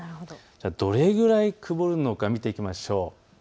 どれぐらい曇るのか見ていきましょう。